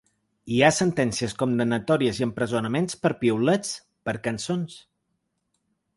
Hi ha sentències condemnatòries i empresonaments per piulets, per cançons.